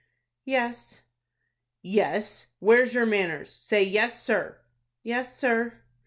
"Yes." "Yes! Where's your manners? Say 'Yes, sir.'" "Yes, sir."